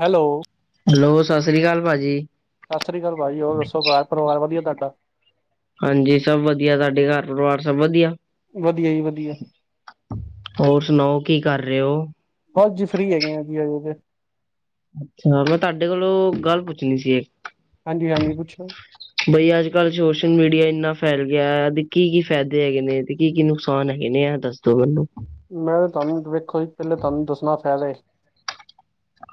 Hello hello ਸਤ ਸ਼੍ਰੀ ਅਕਾਲ। ਭਾਜੀ ਸਤਿ ਸ੍ਰੀ ਅਕਾਲ ਭਾਜੀ ਹੋਰ ਦੱਸੋ ਘਰ ਪਰਿਵਾਰ ਵਧੀਆ ਤੁਾੱਡਾ। ਹਾਂਜੀ ਸਭ ਵਧੀਆ ਤਾੱਡੇ ਘਰ ਪਰਿਵਾਰ ਸਭ ਵਧੀਆ। ਵਧੀਆ ਜੀ ਵਧੀਆ। ਹੋਰ ਸੁਣਾਓ ਕੀ ਕਰ ਰੇ ਓ। ਬਹੁਤ ਜੀ ਫਰੀ ਹੈਗੇ ਆ ਜੀ ਅੱਛਾ ਮੈਂ ਤਾੱਡੇ ਕੋਲੋਂ ਗੱਲ ਪੁੱਛਣੀ ਸੀ ਇਕ। ਹਾਂਜੀ, ਹਾਂਜੀ ਪੁੱਛੋ। ਬਈ ਅੱਜ ਕੱਲ੍ਹ ਸੋਸ਼ਲ ਮੀਡੀਆ ਇੰਨਾ ਫੈਲ ਗਿਆ ਤੇ ਕੀ ਕੀ ਫਾਇਦੇ ਹੈਗੇ ਨੇ ਤੇ ਕੀ ਕੀ ਨੁਕਸਾਨ ਹੈਗੇ ਨੇ ਆ ਦੱਸ। ਨੂੰ [unintelligible] ਮੈਂ ਤੁਾਨੂੰ ਦੇਖੋ ਜੀ ਪਹਿਲੇ ਤੁਹਾਨੂੰ ਦੱਸਣਾ ਫਾਇਦੇ।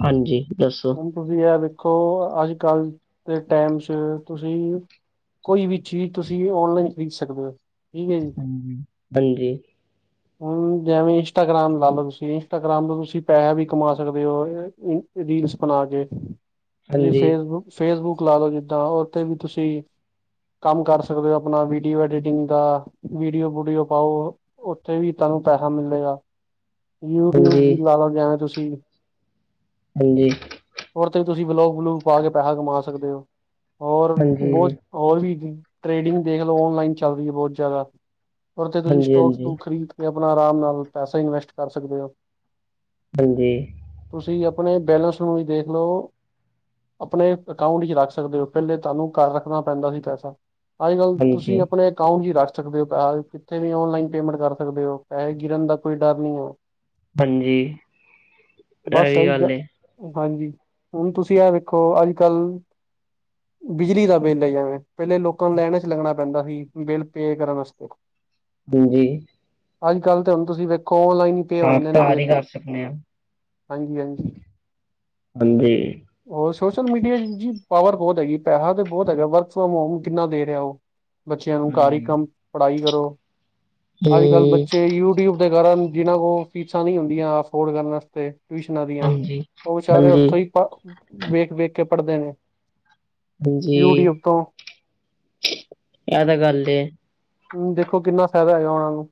ਹਾਂਜੀ ਦੱਸੋ। ਹੁਣ ਤੁਸੀਂ ਏ ਦੇਖੋ ਅੱਜ ਕੱਲ੍ਹ ਦੇ ਟਾਈਮ ਚ ਤੁਸੀਂ ਕੋਈ ਵੀ ਚੀਜ਼ ਤੁਸੀਂ ਔਨਲਾਈਨ ਖਰੀਦ ਸਕਦੇ ਹੋ ਠੀਕ ਏ ਜੀ। ਹਾਂਜੀ ਹੂੰਨ ਜੈਵੇਂ ਇੰਸਟਾਗ੍ਰਾਮ ਲਾ ਲਓ ਤੁਸੀਂ ਇੰਸਟਾਗ੍ਰਾਮ ਤੋਂ ਤੁਸੀਂ ਪੈਸਾ ਵੀ ਕਮਾ ਸਕਦੇ ਹੋ ਰੀਲਸ ਬਣਾ ਕੇ ਤੁਸੀਂ ਹਾਂਜੀ ਹਾਂਜੀ ਫੇਸਬੁੱਕ ਫੇਸਬੁੱਕ ਲਾ ਲਓ ਜਿੱਦਾਂ ਉਹ ਤੇ ਵੀ ਤੁਸੀਂ ਕੰਮ ਕਰ ਸਕਦੇ ਹੋ ਆਪਣਾ ਵੀਡੀਓ ਐਡੀਟਿੰਗ ਦਾ ਵੀਡੀਓ ਵੁਡੀਓ ਪਾਓ ਉਥੇ ਵੀ ਤਾਨੂੰ ਪੈਸਾ ਮਿਲੇਗਾ ਯੂਟਿਊਬ ਵੀ ਲਾ ਹਾਂਜੀ ਲੋ ਜਵੇਂ ਤੁਸੀਂ ਹਾਂਜੀ। ਓ ਤੇ ਤੁਸੀਂ ਵਲੋਗ ਵਲੂਕ ਪਾ ਕੇ ਪੈਸਾ ਕਮਾ ਸਕਦੇ ਹੋ ਔਰ ਹਾਂਜੀ ਹਾਂਜੀ ਬੋਤ ਹੋਰ ਵੀ ਟ੍ਰੇਡਿੰਗ ਦੇਖ ਲਓ ਔਨਲਾਈਨ ਚੱਲ ਰੀ ਏ ਬੋਹਤ ਜਾੱਦਾ ਓਤੇ ਤੁਸੀਂ ਸਟੋਕ ਹਾਂਜੀ ਸਟੂਕ ਖਰੀਦ ਕੇ ਆਪਣਾ ਆਰਾਮ ਨਾਲ ਪੈਸਾ ਇਨਵੈਸਟ ਕਰ ਸਕਦੇ ਓ। ਹਾਂਜੀ। ਤੁਸੀਂ ਆਪਣੇ ਬੈਲੇੈਂਸ ਨੂੰ ਵੀ ਦੇਖ ਲੋ ਆਪਣੇ ਅਕਾਊਂਟ ਵਿੱਚ ਰੱਖ ਸਕਦੇ ਹੋ ਪਹਿਲੇ ਤੁਆਨੂੰ ਕੱਰ ਰੱਖਣਾ ਪੈਂਦਾ ਸੀ ਪੈਸਾ। ਅੱਜ ਕੱਲ੍ਹ ਹਾਂਜੀ ਤੁਸੀਂ ਆਪਣੇ ਅਕਾਊਂਟ ਹੀ ਰੱਖ ਸਕਦੇ ਹੋ ਕਿੱਥੇ ਵੀ ਔਨਲਾਈਨ ਪੇਮੈਂਟ ਕਰ ਸਕਦੇ ਹੋ ਪੈਸੇ ਗਿਰਨ ਦਾ ਕੋਈ ਡਰ ਨੀ ਹੈ। ਹਾਂਜੀ ਬਸ ਇਹੀ ਗ ਗੱਲ ਏ। ਹਾਂਜੀ ਹੁਣ ਤੁਸੀਂ ਏ ਵੇਖੋ ਅੱਜ ਕੱਲ੍ਹ ਬਿਜਲੀ ਦਾ ਬਿੱਲ ਹੈਗਾ ਵੇਂ ਪਹਿਲੇ ਲੋਕਾਂ ਨੂੰ ਲੈਣ ਚ ਲੱਗਣਾ ਪੈਂਦਾ ਸੀ ਬਿੱਲ ਪੇ ਕਰਨ ਵਾਸਤੇ। ਹਾਂਜੀ। ਅੱਜ ਕੱਲ ਤਾਂ ਹੁਣ ਤੁਸੀਂ ਵੇਖੋ ਓਨਲਾਈਨ ਹੀ ਪੇ ਹੋ ਹਾਂ ਜਾਂਦੇ ਨੇ ਘਰ ਹੀ ਬਿੱਲ ਕਰ ਸਕਦੇ ਹਾਂ ਹਾਂਜੀ, ਹਾਂਜੀ। ਹਾਂਜੀ। ਹੋਰ ਸੋਸ਼ਲ ਮੀਡੀਆ ਚ ਪਾਵਰ ਬੋਹਤ ਹੈਗੀ ਪੈਸਾ ਤਾਂ ਬੋਹਤ ਹੈਗਾ ਵਰਕ ਫਰਮ ਹੋਮ ਕਿੰਨਾ ਦੇ ਰਿਹਾ ਉਹ। ਬੱਚਿਆਂ ਨੂੰ ਕਾਰ ਹੀ ਹਾਂਜੀ ਕੰਮ ਪੜਾਈ ਕਰੋ। ਅੱਜ- ਕੱਲ ਹਮ ਬੱਚੇ ਯੂਟਊਬ ਦੇ ਕਾਰਨ ਜਿਨਾਂ ਕੋਲ ਫੀਸਾਂ ਨਈ ਹੁੰਦੀਆਂ ਅਫੋਰਡ ਕਰਨ ਵਾਸਤੇ। ਟਊਸ਼ਨਾਂ ਦੀਆਂ, ਹਾਂਜੀ। ਉਹ ਵਚਾਰੇ ਹਾਂਜੀ, ਉੱਥੋਂ ਹੀ ਵੇਖ ਵੇਖ ਕੇ ਪੜਦੇ ਨੇ। ਹਾਂਜੀ ਯੂਟਊਬ ਤੋਂ। ਇਹ ਤਾਂ ਗੱਲ ਏ। ਹੂੰ, ਦੇਖੋ ਕਿੰਨਾ ਫੈਦਾ ਹੈਗਾ ਉਹਨਾਂ ਨੂੰ।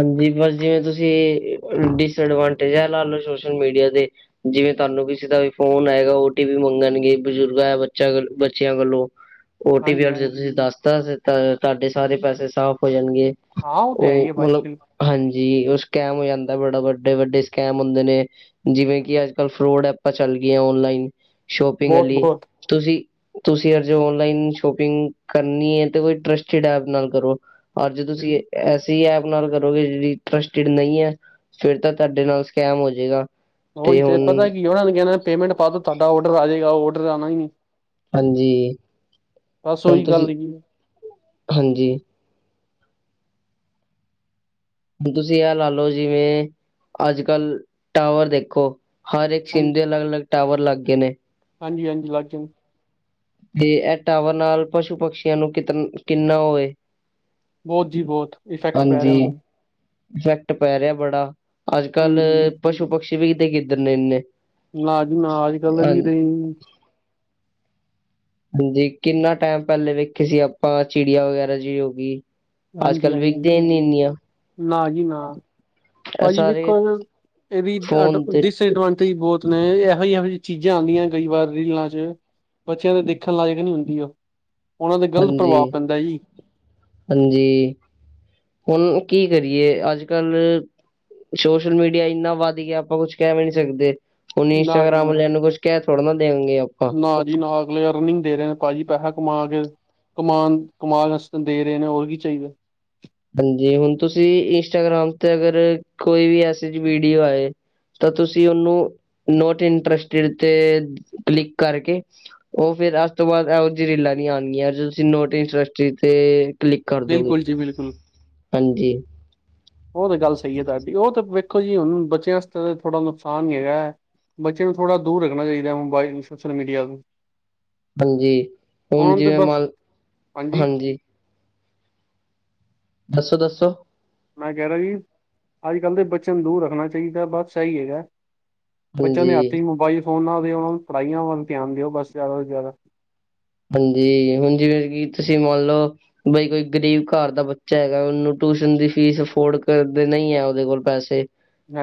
ਹਾਂਜੀ ਬਸ ਜਿਵੇਂ ਤੁਸੀਂ ਡਿਸਐਡਵਾਂਟੇਜ ਇਹ ਲਾ ਲਓ ਸੋਸ਼ਲ ਮੀਡੀਆ ਦੇ। ਜਿਵੇਂ ਤੁਹਾਨੂੰ ਕਿਸੇ ਦਾ ਵੀ ਫੋਨ ਆਏਗਾ ਓ ਟੀ ਵੀ ਮੰਗਣਗੇ ਬਜ਼ੁਰਗਾਂ ਬੱਚਾ ਬੱਚਿਆਂ ਵੱਲੋਂ। ਓ ਟੀ ਪੀ ਹਾਂਜੀ ਜੇ ਤੁਸੀਂ ਹਾਂਜੀ ਦੱਸਤਾ ਤਾਂ ਤਾਂਡੇ ਸਾਰੇ ਪੈਸੇ ਸਾਫ਼ ਹੋ ਜਾਣਗੇ। ਹਾਂ ਉਹ ਤੇ ਹੈ ਹੀ ਹੈ ਭਾਜੀ ਬਿਲ ਹਾਂਜੀ ਉਹ ਸਕੈਮ ਹੋ ਜਾਂਦਾ ਬੜਾ। ਵੱਡੇ- ਵੱਡੇ ਸਕੈਮ ਹੁੰਦੇ ਨੇ। ਜਿਵੇਂ ਕਿ ਅੱਜ- ਕੱਲ ਫਰੋਡ ਐਪਾਂ ਚੱਲ ਗੀਆਂ ਓਨਲਾਈਨ ਸ਼ੋਪਿੰਗ ਬਹੁਤ ਆਲੀ ਬਹੁਤ ਤੁਸੀ ਤੁਸੀ ਅਜੇ ਔਨਲਾਈਨ ਸ਼ੋਪਿੰਗ ਕਰਨੀ ਏ ਤੇ ਕੋਈ ਟਰਸਟਿਡ ਐਪ ਨਾਲ ਕਰੋ। ਅੱਜ ਤੁਸੀ ਐਸੀ ਐਪ ਔਦੇ ਨਾਲ ਕਰੋਗੇ ਜੇਹੜੀ ਟਰਸਟਿਡ ਨਹੀਂ ਐ ਫੇਰ ਤਾਂਡੇ ਨਾਲ ਸਕੈਮ ਹੋ ਜੇਗਾ। ਉਹੀ ਤੇ ਪਤਾ ਕੀ ਏ ਉਹਨਾ ਨੇ ਕਹਣਾ ਪੇਮੈਂਟ ਪਾ ਦੋ ਤੁਹਾਡਾ ਔਡਰ ਆ ਜੇਗਾ, ਔਡਰ ਆਉਣਾ ਹੀ ਨੀ। ਹਾਂਜੀ ਬਸ ਹੁਣ ਉਹੀ ਗੱਲ ਤੁਸੀ ਹੈਗੀ ਹਾਂਜੀ। ਹੁਣ ਤੁਸੀ ਇਹ ਲਾ ਲੋ ਜਿਵੇਂ ਅੱਜ ਕੱਲ ਟਾਵਰ ਦੇਖੋ ਹਰ ਇੱਕ ਸਿਮ ਹਾਂਜੀ ਦੇ ਅਲਗ- ਅਲਗ ਟਾਵਰ ਲਗ ਗੇ ਨੇ। ਹਾਂਜੀ -ਹਾਂਜੀ ਲਾਗੇ ਨ ਤੇ ਐ ਟਾਵਰ ਨਾਲ ਕੁਛ ਪਸ਼ੂ ਪਕਸ਼ੀਆਂ ਨੂੰ ਕਿੰਨਾ ਓਹ ਵੇ। ਬਹੁਤ ਜੀ ਬਹੁਤ ਇਫੈਕਟ ਪੈ ਰੇਆ ਹਾਂਜੀ ਉਹਨੂੰ। ਇਫੈਕਟ ਪੈ ਰਿਹਾ ਬੜਾ। ਅੱਜ -ਕੱਲ ਹਮ ਪਸ਼ੂ ਪਕਸ਼ੀ ਵੀ ਤੇ ਕਿਤਨੇ ਨੇ। ਨਾ ਜੀ ਨਾ ਅੱਜ ਕੱਲ ਹਾਂ ਵਿਖਦੇ ਈ ਨਈ। ਹਾਂਜੀ ਕਿੰਨਾ ਟਾਈਮ ਪਹਿਲੇ ਵੇਖੇ ਸੀ ਆਪਾਂ ਚਿੜੀਯਾਂ ਵਗੈਰਾ ਜਿ ਹੋ ਗੀ। ਅੱਜ ਹਾਂਜੀ ਕੱਲ ਵਿਖਦੀਆ ਈ ਹਾਂਜੀ ਨੀ ਇਨੀਆਂ। ਨਾ ਜੀ ਨਾ ਇਹ ਭਾਜੀ ਸਾਰੇ ਵੇਖੋ ਇਹਦੀ ਫੋਨ ਅ ਤੇ ਡਿਸਐਡਵਾਂਟੇਜ ਬਹੁਤ। ਮੈ ਇਹੋ ਜਿ ਇਹੋ ਜਿ ਚੀਜ਼ਾਂ ਆਦੀਆਂ ਕਈ ਵਾਰ ਰੀਲਾਂ ਚ ਬੱਚਿਆਂ ਦੇ ਦੇਖਣ ਲਾਇਕ ਨਈ ਹੁੰਦੀ ਔ, ਉਹਨਾਂ ਤੇ ਗ਼ਲਤ ਹਾਂਜੀ ਪ੍ਰਭਾਵ ਪੈਂਦਾ ਜੀ। ਹਾਂਜੀ, ਹੁਣ ਕੀ ਕਰੀਏ ਅੱਜ- ਕੱਲ ਛੋਸ਼ਲ ਮੀਡੀਆ ਇੰਨਾ ਵੱਧ ਗਿਆ ਆਪਾਂ ਕੁਛ ਕਹਿ ਵੀ ਨੀ ਸਕਦੇ। ਹੁਣ ਨਾ ਜੀ ਇੰਸਟਾਗਗ੍ਰਾਮ ਨਾ ਵਾਲਿਆਂ ਨੂੰ ਕੁਛ ਕਹ ਥੋੜਾ ਨਾ ਦੇਣਗੇ ਆਪਾਂ ਨਾ ਜੀ ਨਾ ਅਗਲੇ ਅਰਨਿੰਗ ਦੇ ਰਹੇ ਨੇ ਭਾਜੀ ਪੈਸਾ ਕਮਾ ਕੇ। ਕਮਾਨ ਕਮਾਲ ਆਸਤੇ ਦੇ ਰਹੇ ਨੇ ਹੋਰ ਕੀ ਚਾਹੀਦਾ। ਹਾਂਜੀ ਹੁਣ ਤੁਸੀ ਇੰਸਟਾਗ੍ਰਾਮ ਤੇ ਅਗਰ ਕੋਈ ਵੀ ਐਸੀ ਜੀ ਵੀਡੀਓ ਆਏ ਤਾਂ ਤੁਸੀ ਉਨੂ ਨੋਟ ਇੰਟਰਸਟਡ ਤੇ ਕਲਿਕ ਕਰਕੇ ਉਹ ਫੇਰ ਅਜ ਤੋਂ ਬਾਦ ਇਹੋ ਜੀ ਰੀਲਾਂ ਨ ਆਣਗੀਆਂ ਜੇ ਤੁਸੀਂ ਨੋਟ ਇੰਟਰਸਟੀਡ ਤੇ ਕਲਿੱਕ ਕਰ ਦੋਗੇ। ਬਿਲਕੁਲ ਜੀ ਬਿਲਕੁਲ। ਹਾਂਜੀ। ਉਹ ਤੇ ਗੱਲ ਸਹੀ ਏ ਤੁਹਾਡੀ ਉਹ ਤਾਂ ਵੇਖੋ ਜੀ ਹੁਣ ਬੱਚਿਆਂ ਅਸਤ ਥੋੜਾ ਨੁਕਸਾਨ ਈ ਹੈਗਾ ਬੱਚੇ ਨੂੰ ਥੋੜਾ ਦੂਰ ਰੱਖਣਾ ਚਾਈਦਾ ਮੋਬਾਇਲ ਸੋਸ਼ਲ ਮੀਡੀਆ ਤੋਂ। ਹਾਂਜੀ ਉਹਨਾਂ ਹੁਣ ਨੂੰ ਤੇ ਜਿਵੇਂ ਬਸ ਮਨ ਲੋ ਹਾਂਜੀ। ਦੱਸੋ- ਦੱਸੋ। ਮੈਂ ਕਹ ਰਿਹਾ ਜੀ ਅੱਜ ਕੱਲ ਦੇ ਬੱਚਿਆਂ ਨੂੰ ਦੂਰ ਰੱਖਣਾ ਚਾਹੀਦਾ ਬਸ ਸਹੀ ਹੈਗਾ। ਬੱਚਿਆਂ ਦੇ ਹਾਂਜੀ, ਹੱਥ ਇ ਮੋਬਾਈਲ ਫੋਨਾਂ ਨਾ ਹੋਵੇ ਉਹਨਾਂ ਨੂੰ ਪੜਾਈਆਂ ਵੱਲ ਧਿਆਨ ਦਿਓ ਬਸ ਜ਼ਿਆਦਾ ਤੋਂ ਜ਼ਿਆਦਾ। ਹਾਂਜੀ ਹੁਣ ਜਿਵੇਂ ਕਿ ਤੁਸੀ ਮੰਨ ਲੌ। ਬਈ ਕੋਈ ਗ਼ਰੀਬ ਘਰ ਦਾ ਬੱਚਾ ਹੈਗਾ ਉਹਨੂੰ ਟੂਸ਼ਨ ਦੀ ਫੀਸ ਅਫੋਰਡ ਕਰਦੇ ਨਹੀਂ ਹੈ ਉਦੇ ਕੋਲ ਪੈਸੇ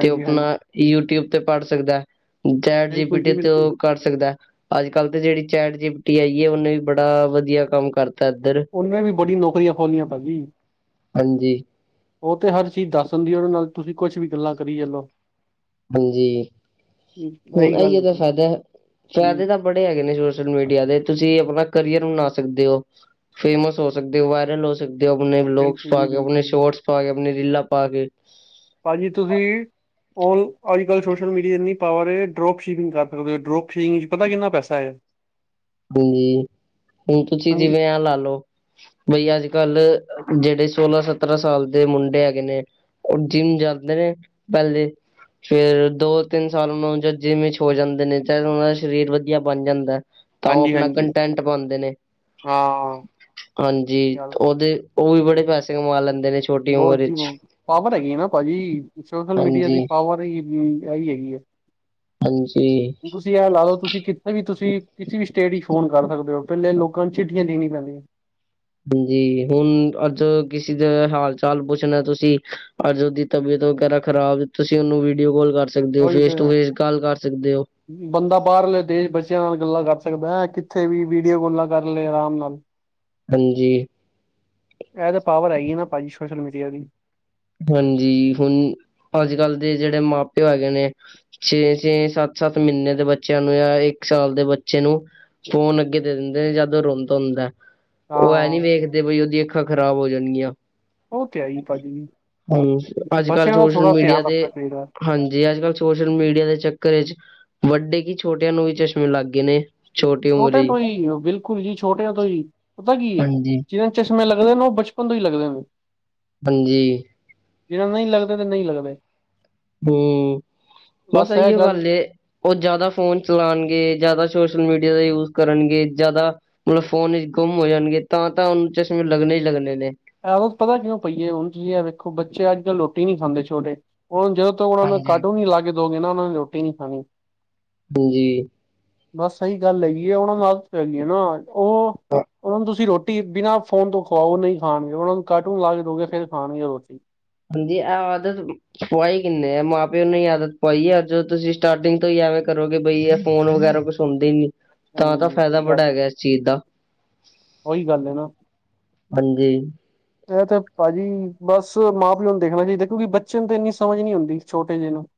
ਤੇ ਉਹ ਹਾਂਜੀ ਆਪਣਾ ਯੂਟਊਬ ਤੇ ਪੜ ਸਕਦਾ ਚਾਟ ਜੀ ਪੀ ਬਿਲਕੁਲ ਟੀ ਤੇ ਬਿਲਕੁਲ ਉਹ ਕਰ ਸਕਦਾ ਅੱਜ ਕੱਲ ਤੇ ਜੇਹੜੀ ਚੈਟ ਜੀ ਪ ਟਿ ਆਈ ਯੇ ਉਹਨੇ ਵੀ ਬੜਾ ਵਧੀਆ ਕੰਮ ਕਰ ਓਨੇ ਵੀ ਬੜੀ ਨੌਕਰੀਆਂ ਖੋਲੀਆਂ ਪਾਜੀ। ਹਾਂਜੀ ਉਹ ਤੇ ਹਰ ਚੀਜ਼ ਦੱਸ ਦਿੰਦੀ ਉਹਦੇ ਨਾਲ ਤੁਸੀ ਕੁਛ ਵੀ ਗੱਲਾਂ ਕਰੀ ਚਲੋ। ਹਾਂਜੀ ਇਹੀ ਗੱਲ ਇਹੀਉ ਤਾਂ ਹੈਗੀ ਫਾਇਦਾ ਹਮ ਫੈਦੇ ਦਾ। ਬੜੇ ਹੈਗੇ ਨੇ ਸੋਸ਼ਲ ਮੀਡੀਆ ਦੇ ਤੁਸੀਂ ਆਪਣਾ ਕਰੀਅਰ ਬਣਾ ਸਕਦੇ ਹੋ। ਫੇਮਸ ਹੋ ਸਕਦੇ ਵਾਇਰਲ ਹੋ ਸਕਦੇ ਹੋ, ਆਪਣੇ ਵਲੋਗਸ ਬਿਲਕੁਲ ਪਾ, ਜੀ ਕੇ ਆਪਣੇ ਬਿਲਕੁਲ ਸ਼ੋਰਟਸ ਪਾ, ਕੇ ਆਪਣੇ ਰੀਲਾਂ ਪਾ ਕੇ। ਭਾਜੀ ਤੁਸੀਂ। ਅੱਜ ਕੱਲ ਸੋਸ਼ਲ ਮੀਡੀਆ ਇੰਨੀ ਪਾਵਰ ਹੈ, ਡਰੋਪ ਸ਼ੀਪਿੰਗ ਕਰ ਸਕਦੇ ਹੋ ਡਰੋਪ ਸੀਪਿੰਗ ਚ ਪਤਾ ਕਿੰਨਾ ਪੈਸਾ ਹੈ। [inaudible] ਹਾਂਜੀ ਹੁਣ ਤੁਸੀਂ ਜਿਵੇਂ ਆ ਲਾ ਲੋ। ਬਈ ਅੱਜ ਕੱਲ ਜਿਹੜੇ ਸੋਲਾਂ ਸਤਰਾਂ ਸਾਲ ਦੇ ਮੁੰਡੇ ਹੈਗੇ ਨੇ। ਉਹ ਜਿੰਮ ਜਾਂਦੇ ਨੇ ਪਹਿਲੇ। ਫੇਰ ਦੋ ਤਿੰਨ ਸਾਲ ਉਹਨਾਂ ਨੂੰ ਜਦ ਜਿੰਮ ਵਿਚ ਹੋ ਜਾਂਦੇ, ਨੇ ਚ ਉਹਨਾਂ ਦਾ ਸਰੀਰ ਵਧੀਆ ਬਣ ਜਾਂਦਾ ਹੈ। ਤਾਂ ਉਹ ਹਾਂਜੀ ਆਪਣਾ ਹਾਂਜੀ ਕੰਟੈਂਟ ਪਾਉਦੇ ਨੇ ਹਾਂ ਹਾਂਜੀ ਯਾਰ ਉਹਦੇ। ਉਹ ਵੀ ਬੜੇ ਪੈਸੇ ਕਮਾ ਲੈਂਦੇ ਨੇ। ਛੋਟੀ ਹੋਰ ਉਮਰ ਜੀ ਵਿੱਚ ਹੋਰ ਪਾਵਰ ਹੈਗੀ ਆ ਨਾ ਭਾਜੀ ਸੋਸ਼ਲ ਮੀਡੀਆ ਦੀ ਹਾਂਜੀ ਪਾਵਰ ਹੀ ਆਹੀ ਹੈਗੀ ਹੈ। ਹਾਂਜੀ। ਤੁਸੀਂ ਇਹ ਲਾ ਲਓ, ਤੁਸੀਂ ਕਿਥੇ ਵੀ ਤੁਸੀਂ ਕਿਸੇ ਵੀ ਸਟੇਟ ਹੀ ਫੋਨ ਕਰ ਸਕਦੇ ਹੋ, ਪਹਿਲੇ ਲੋਕਾਂ ਨੂੰ ਚਿੱਠੀਆਂ ਦੇਣੀਆਂ ਪੈਂਦੀਆਂ। ਜੀ ਹੁਣ ਅੱਜ ਕਿਸੇ ਦਾ ਹਾਲ ਚਾਲ ਪੁੱਛਣਾ ਤੁਸੀਂ। ਅੱਜ ਉਹਦੀ ਤਬੀਅਤ ਵਗੈਰਾ ਖ਼ਰਾਬ, ਤੁਸੀਂ ਉਹਨੂੰ ਵੀਡੀਓ ਕਾਲ ਕਰ ਸਕਦੇ ਹੋ, ਉਹੀ ਫੇਸ ਤੇ ਟੂ ਫੇਸ ਕਾਲ ਕਰ ਸਕਦੇ ਹੋ। ਬੰਦਾ ਬਾਹਰਲੇ ਦੇਸ਼ ਬੱਚਿਆਂ ਨਾਲ ਗੱਲਾਂ ਕਰ ਸਕਦਾ ਹੈ, ਕਿੱਥੇ ਵੀਡੀਓ ਕਾਲਾ ਕਰ ਲਏ ਆਰਾਮ ਨਾਲ। [inaudible] ਹਾਂਜੀ। ਇਹ ਤਾਂ ਪਾਵਰ ਹੈਗੀ ਨਾ ਭਾਜੀ ਸੋਸ਼ਲ ਮੀਡੀਆ ਦੀ। ਹਾਂਜੀ ਹੁਣ ਅੱਜ ਕੱਲ੍ਹ ਦੇ ਜਿਹੜੇ ਮਾ ਪਿਓ ਹੈਗੇ ਨੇ। ਛੇ ਛੇ ਸੱਤ ਸੱਤ ਮਹੀਨੇ ਦੇ ਬੱਚਿਆਂ ਨੂੰ ਜਾਂ ਇੱਕ ਸਾਲ ਦੇ ਬੱਚੇ ਨੂੰ। ਫੋਨ ਅੱਗੇ ਦੇ ਦਿੰਦੇ ਨੇ ਜਦ ਉਹ ਰੋਂਦਾ ਹੁੰਦਾ ਹੈ। ਉਹ ਐਂ ਹਾਂ ਨੀ ਵੇਖਦੇ ਬਈ ਉਹਦੀਆਂ ਅੱਖਾਂ ਖ਼ਰਾਬ ਹੋ ਜਾਣਗੀਆਂ। ਉਹ ਤੇ ਹੈ, ਹੀ ਭਾਜੀ ਹਾਂ ਅੱਜ ਕੱਲ੍ਹ ਬੱਚਿਆਂ ਦਾ ਸੋਸ਼ਲ ਥੋੜਾ ਮੀਡੀਆ ਧਿਆਨ ਤੇ। ਰੱਖਣਾ ਚਾਹੀਦਾ ਹਾਂਜੀ ਅੱਜ ਕੱਲ੍ਹ ਸੋਸ਼ਲ ਮੀਡੀਆ ਦੇ ਚੱਕਰ ਵਿੱਚ ਵੱਡੇ ਕਿ ਛੋਟਿਆਂ ਨੂੰ ਵੀ ਚਸ਼ਮੇ ਲੱਗ ਗਏ ਨੇ। ਛੋਟੀ ਉਮਰੇ ਛੋਟਿਆਂ ਤੋਂ ਹੀ ਬਿਲਕੁਲ ਜੀ ਛੋਟਿਆਂ ਤੋਂ ਹੀ ਪਤਾ ਕੀ ਹੈ ਹਾਂਜੀ ਜਿਦੇ। ਚਸ਼ਮੇ ਲਗਦੇ ਨੇ ਉਹਨੂੰ ਬਚਪਨ ਤੋਂ ਹੀ ਲੱਗਦੇ ਨੇ। ਹਾਂਜੀ ਜਿਨਾ ਨਹੀਂ ਲੱਗਦਾ ਤੇ ਨਹੀਂ ਲੱਗਦੇ ਬਸ ਇਹੀਓ ਗੱਲ ਏ ਉਹ ਜ਼ਿਆਦਾ ਫੋਨ ਚਲਾਉਣਗੇ, ਜ਼ਿਆਦਾ ਸੋਸ਼ਲ ਮੀਡੀਆ ਦਾ ਯੂਜ ਕਰਨਗੇ ਜ਼ਿਆਦਾ। ਮਤਲਬ ਫੋਨ ਵਿੱਚ ਗੁੰਮ ਹੋ ਜਾਣਗੇ, ਤਾਂ ਤਾ ਉਹਨੂੰ ਚਸ਼ਮੇ ਲੱਗਣੇ ਹੀ ਲੱਗਣੇ ਨੇ। ਐਉ ਪਤਾ ਕਿਉਂ ਪਈਏ ਹੁਣ ਕੀ ਹੈ, ਵੇਖੋ ਬੱਚੇ ਅੱਜ ਕੱਲ ਰੋਟੀ ਨੀ ਖਾਂਦੇ ਛੋਟੇ ਹੁਣ ਜਦੋਂ। ਉਹਨਾਂ ਨੂੰ ਹਾਂਜੀ ਕਾਰਟੁਨ ਨਹੀਂ ਲਾ ਕੇ ਦੋ ਉਹਨਾਂ ਨੇ ਰੋਟੀ ਨੀ ਖਾਣੀ। ਹਾਂਜੀ ਬਸ ਸਹੀ ਗੱਲ ਹੈਗੀ ਆ, ਉਹਨਾਂ ਨੂੰ ਨਾਲ ਪੈਗੀ ਆ ਨਾ ਉਹ ਉਹਨਾਂ ਨੂੰ ਤੁਸੀਂ ਰੋਟੀ। ਟੀਵੀ ਰੋਟੀ ਬਿਨਾਂ ਫੋਨ ਤੋਂ ਖਾਓ ਨਹੀਂ ਖਾਣਗੇ, ਉਹਨਾਂ ਨੂੰ ਕਾਰਟੂਨ ਲਾ ਕੇ ਦੋਗੇ ਫੇਰ ਖਾਣਗੇ ਰੋਟੀ। ਹਾਂਜੀ ਐ ਆਦਤ। ਪੁਆਈ ਕਿੰਨੇ ਆ, ਮਾਂ ਪਿਓ ਨੂੰ ਆਦਤ ਪਈ ਹੈ, ਜਦੋਂ ਕਿ ਤੁਸੀਂ ਸਟਾਰਟਿੰਗ ਤੋਂ ਹੀ ਐਵੇਂ ਕਰੋਗੇ ਬਈ ਇਹ ਫੋਨ ਵਗੈਰਾ ਕੁਛ। ਸੁਣਦੀ ਨੀ, ਤਾਂ ਹਾਂਜੀ ਫਾਇਦਾ ਸਹੀ ਗੱਲ ਬੜਾ ਹੈ, ਹੈਗਾ ਇਸ ਚੀਜ਼ ਦਾ। ਉਹੀ ਗੱਲ ਹੈ ਨਾ। ਹਾਂਜੀ। ਇਹ ਤੇ ਭਾਜੀ, ਬਸ ਮਾਂ -ਪਿਓ ਨੂੰ ਦੇਖਣਾ ਚਾਹੀਦਾ, ਕਿਉਂਕਿ ਬੱਚੇ ਨੂੰ ਤੇ ਇੰਨੀ ਸਮਝ ਨੀ ਹੁੰਦੀ, ਛੋਟੇ ਜਿਹੇ ਨੂੰ। [inaudible]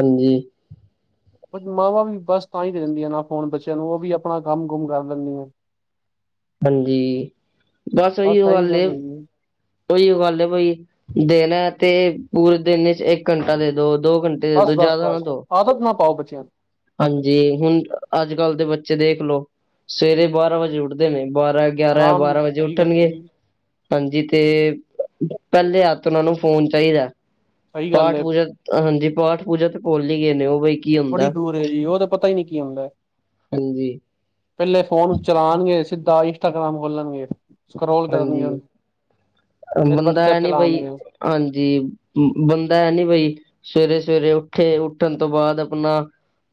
ਹਾਂਜੀ। [inaudible] ਮਾਵਾਂ ਵੀ ਬਸ ਤਾਂ ਹੀ ਦੇ ਦਿੰਦੀਆਂ, ਨਾ ਫੋਨ ਬੱਚਿਆਂ ਨੂੰ ਉਹ ਵੀ ਆਪਣਾ ਕੰਮ ਕੁੰਮ ਕਰ ਲੈਂਦੀਆਂ। [inaudible] ਹਾਂਜੀ, ਬਸ ਇਹੀ ਉਹ ਗੱਲ- ਹਮ ਉਹੀ ਗੱਲ ਬਈ, ਦੇਣਾ ਤੇ, ਪੂਰੇ ਦਿਨ ਵਿਚ ਇਕ ਘੰਟਾ ਦੇ ਦੋ, ਦੋ ਘੰਟੇ- ਦੇ ਦੋ ਬਸ- ਬਸ- ਜ਼ਿਆਦਾ ਨਾ ਬਸ, ਦੋ ਆਦਤ ਨਾ ਪਾਓ ਬੱਚਿਆਂ ਨੂੰ ਹਾਂਜੀ, ਹੁਣ ਅਜ- ਕਲ ਦੇ ਬੱਚੇ ਦੇਖ ਲਓ, ਸਵੇਰੇ ਬਾਰਾਂ ਵਜੇ ਉਠਦੇ ਨੇ, ਬਾਰਾਂ- ਗਿਆਰਾਂ, ਆਰਾਮ ਬਾਰਾਂ ਨਾਲ, ਵਜੇ ਸਹੀ ਗੱਲ ਹੈ ਉੱਠਣਗੇ। ਜੀ ਹਾਂਜੀ ਤੇ, ਪਹਿਲੇ ਹੱਥਾਨ ਨੂੰ ਫੋਨ ਚਾਹੀਦਾ- ਸਹੀ ਗੱਲ ਪਾਠ- ਹੈ ਪੂਜਾ, ਹਾਂਜੀ ਪਾਠ -ਪੂਜਾ ਤੇ ਭੁਲ ਹੀ ਗਏ ਨੇ ਉਹ ਬ- ਬੜੀ ਦੂਰ ਹੈ ਜੀ, ਉਹ ਤਾਂ ਪਤਾ ਹੀ ਨਹੀ ਕੀ ਹੁੰਦਾ- ਹਾਂਜੀ ਪਹਿਲੇ ਫੋਨ ਚਲਾਉਣਗੇ, ਸਿੱਧਾ ਇੰਸਟਾਗ੍ਰਾਮ ਖੋਲਣਗੇ। ਸਕਰੋਲ ਕਰਨਗੇ ਹਾਂਜੀ ਉਹਨੂੰ, ਫਿਰ ਬੰਦਾ ਵਟਸਪ ਹੈ ਨੀ ਬਈ ਚਲਾਵਗੇ ਉਹ- ਹਾਂਜੀ, ਬੰਦਾ ਹੈ ਨੀ ਬਈ- ਸਵੇਰੇ -ਸਵੇਰੇ ਉਠੇ, ਉਠਣ ਤੋਂ ਬਾਅਦ ਆਪਣਾ-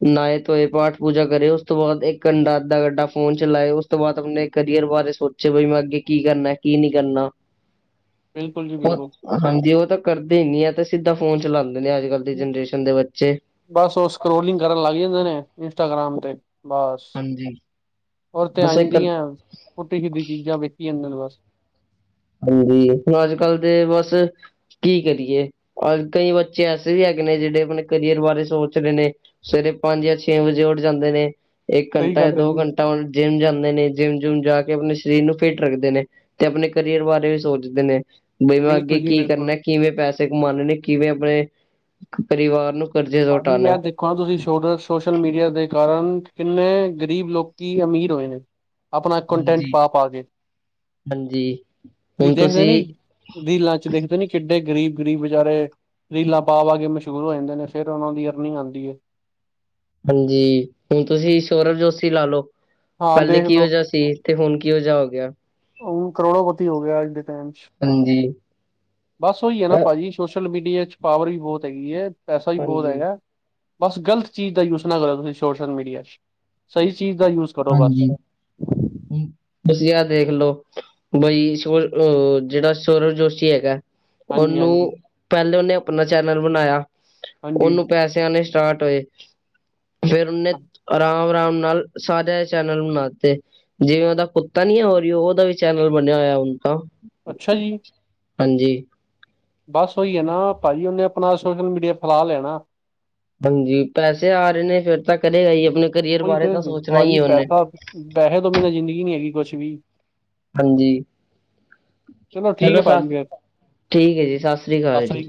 ਨਹਾਏ ਧੋਏ, ਪਾਠ ਪੂਜਾ ਕਰੇ, ਉਸ ਤੋਂ ਬਾਅਦ ਇਕ ਕੰੰਡਾ ਅੱਧਾ ਗੰਡਾ ਫੋਨ ਚਲਾਏ- ਉਸ ਤੋਂ ਬਾਅਦ ਆਪਣੇ ਕਰੀਅਰ ਬਾਰੇ ਸੋਚੇ ਮੈ ਅੱਗੇ ਕੀ ਕਰਨਾ ਕੀ ਨਹੀ ਕਰਨਾ- ਬਿਲਕੁਲ ਜੀ ਉਹ ਬਿਲਕੁਲ- ਹਾਂਜੀ, ਉਹ ਤਾਂ ਕਰਦੇ ਹੀ ਨੀ ਹੈ। ਤੇ ਸਿੱਧਾ ਫੋਨ ਚਲਾਉਦੇ ਨੇ ਅਜ- ਕਲ ਦੀ ਜਨਰੇਸ਼ਨ ਦੇ ਬੱਚੇ- ਬਸ ਉਹ ਸਕੋਲਿੰਗ ਕਰਨ ਲੱਗ ਜਾਦੇ ਨੇ, ਇੰਸਟਾਗ੍ਰਾਮ ਤੇ- ਬਸ, ਹਾਂਜੀ ਉਦੇ ਤੇ ਬਸ ਇੱਕ ਆਦੀਆ, ਪੁਠੀ ਸੀਧੀ ਚੀਜਾ ਵੇਖੀ ਜਾਦੇ ਦੇ ਬਸ- ਹਾਂਜੀ, ਹੁਣ ਅੱਜ ਕੱਲ ਦੇ ਬਸ- ਕੀ ਕਰੀਏ, ਕਈ ਬੱਚੇ ਐਸੇ ਵੀ ਹੈਗੇ ਨੇ ਜਿਹੜੇ ਆਪਣੇ ਕਰੀਅਰ ਬਾਰੇ ਸੋਚ ਰਹੇ ਨੇ- ਸਵੇਰੇ ਪੰਜ ਜਾਂ ਛੇ ਵਜੇ ਉਠ ਜਾਦੇ ਨੇ, ਇਕ ਸਹੀ ਘੰਟਾ ਜਾਂ ਗੱਲ ਹੈ ਦੋ ਜੀ ਘੰਟੇ- ਜਿੰਮ ਜਾਂਦੇ ਨੇ, ਜਿੰਮ- ਜੁੰਮ ਜਾ ਕੇ ਆਪਣੇ ਸਰੀਰ ਨੂੰ ਫਿਟ ਰੱਖਦੇ ਨੇ, ਤੇ ਆਪਣੇ- ਕਰੀਅਰ ਬਾਰੇ ਵੀ ਸੋਚਦੇ ਨੇ, ਬਈ ਮੈ ਅੱਗੇ ਬਿਲਕੁਲ ਜੀ ਕੀ ਬਿਲਕੁਲ ਕਰਨਾ- ਕਿਵੇ ਪੈਸੇ ਕਮਾਉਣੇ ਨੇ, ਕਿਵੇ ਆਪਣੇ, ਪਰਿਵਾਰ ਨੂੰ- ਕਰਜ਼ੇ ਤੋਂ ਭਜੀ ਹਟਾਣਾ। ਹੈਤੇ- ਦੇਖੋ, ਤੁਸੀ ਸੋਸ਼ਲ ਮੀਡੀਆ ਦੇ ਕਾਰਨ, ਕਿਨੇ ਗਰੀਬ ਲੋਕੀ ਅਮੀਰ ਹੋਏ ਨੇ- ਆਪਣਾ ਕੰਟੈਕਟ ਹਾਂਜੀ। ਪਾ -ਪਾ ਕੇ, ਹਾਂਜੀ, ਤੁਸੀ ਹੁਣ ਦੇਖਦੇ ਤੁਸੀਂ ਨੀ- ਰੀਲਾਂ 'ਚ ਦੇਖਦੇ ਨੀ ਕਿਡੇ ਗਰੀਬ- ਗਰੀਬ ਵਿਚਾਰੇ ਰੀਲਾਂ ਪਾ-ਪਾ ਕੇ ਮਸ਼ਹੂਰ ਹੋ ਜਾਦੇ ਨੇ- ਫੇਰ ਉਹਨਾਂ ਦੀ ਅਰਨਿੰਗ ਆਉਦੀ ਹੈ। ਹਾਂਜੀ, ਹੁਣ ਤੁਸੀ ਸ਼ੋਰਭ ਜੋਸੀ ਲਾਲੋ, ਹਾਂ ਪਹਿਲੇ ਦੇਖ ਲੋ ਕਿਹੋ ਜਿਹਾ ਸੀ। ਤੇ ਹੁਣ ਕੀਓ ਜੇਆ ਹੋ ਗਿਆ। ਹ ਕਰੋੜੋ ਪਤੀ ਹੋ ਗਿਆ ਅਜ ਦੇ ਟਾੲਮ 'ਚ, ਹਾਂਜੀ। ਬਸ ਉਹੀ ਹੈ ਨਾ ਅ ਭਾਜੀ- ਸੋਸ਼ਲ ਮੀਡੀਆ ਵਿੱਚ ਪਾਵਰ ਵੀ ਬਹੁਤ ਹੈਗੀ ਹੈ। ਪੈਸਾ ਵੀ ਬਹੁਤ ਹਾਂਜੀ। ਹੈਗਾ। ਬਸ ਗਲਤ ਚੀਜ ਦਾ ਯੂਜ ਨਾ ਕਰੋ ਤੁਸੀ ਸੋਸ਼ਲ ਮੀਡੀਆ 'ਚ, ਸਹੀ ਚੀਜ ਦਾ ਯੂਕਰੋ- ਹਾਂਜੀ- ਤੁਸੀ ਯਾਰ ਦੇਖਲੋ ਬਈ ਸ ਅਹ ਜਿਹੜਾ ਸੋਰਬ ਜੋਸ਼ੀ ਹੈਗਾ। ਹਾਂਜੀ ਉਹਨੂੰ ਹਾਂਜੀ ਪਹਿਲੇ ਉਹਨੇ ਆਪਣਾ ਚੈਨਲ ਬਣਾਇਆ। ਹਾਂਜੀ ਉਹਨੂੰ ਪੈਸੇਆਂਣੇ ਸਟਾਟ ਹੋਏ। ਫਿਰ ਉਹਨੇ ਆਰਾਮ ਆਰਾਮ ਨਾਲ ਸਾਰੇ ਚੈਨਲ ਬਣਾਤੇ। ਜਿਵੇ ਉਹਦਾ ਕੁੱਤਾ ਨੀ ਹੈ ਹੋ ਰਹੀ ਉਹਦਾ ਵੀ ਚੈਨਲ ਬਣਿਆ ਹੋਇਆ ਹੁਣ ਤਾਂ। ਅਛਾ ਜੀ। ਹਾਂਜੀ। ਬਸ ਉਹੀ ਹੈ ਨਾ ਭਾਜੀ ਉਹਨੇ ਆਪਣਾ ਸ਼ੋਸ਼ਲ ਮੀਡੀਆ ਫੈਲਾ ਲੇਆਨਾ। ਹਾਂਜੀ ਪੈਸੇ ਆ ਰਹੇ ਨੇ ਫੇਰ ਤਾਂ ਕਰੇਗਾ ਹੀ ਆਪਣੇ ਕਰੀਅਰ ਉਹੀ ਬਾਰੇ ਤੇ ਤਾਂ ਸੋਚਣਾ ਹੀ ਭਾਜੀ ਹੈ ਉਹਨੇਂ। ਪੈਸਾ ਪੈਸੇ ਤੋਂ ਬਿਨਾ ਜ਼ਿੰਦਗੀ ਨੀ ਹੈਗੀ ਕੁਛ ਵੀ। ਹਾਂਜੀ ਠੀਕ ਚਲੋ ਹੈ ਸ ਭਾਜੀ ਫੇਰ ਠੀਕ ਹੈ। ਜੀ ਸਤਿ ਸ੍ਰੀ ਅਕਾਲ ਜੀ।